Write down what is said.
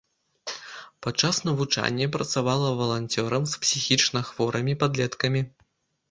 Падчас навучання працавала валанцёрам з псіхічна хворымі падлеткамі.